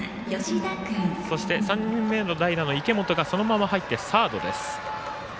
そして３人目の代打の池本がそのまま入って、サードです。